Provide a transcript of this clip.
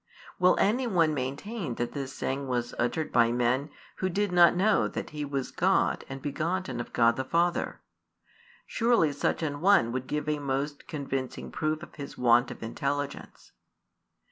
Will any one maintain that this saying was uttered by men who did not know that He was God and begotten of God the Father? Surely such an one would give a most convincing proof of his want of intelligence.